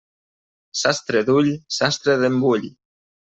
Sastre d'ull, sastre d'embull.